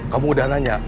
kamu udah nanya